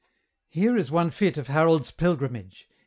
Here is one fytte of Harold's pilgrimage.